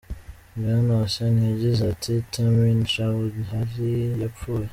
Bwana Hossain yagize ati: " Tamim Chowdhury yapfuye.